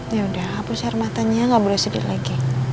yaudah hapus air matanya nggak boleh sedih lagi